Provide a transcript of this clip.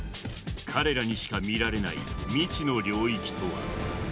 彼らにしか見られない未知の領域とは。